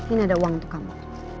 ini ada uang untuk kamu